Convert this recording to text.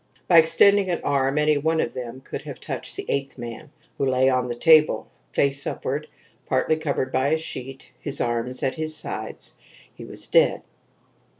By extending an arm any one of them could have touched the eighth man, who lay on the table, face upward, partly covered by a sheet, his arms at his sides. He was dead.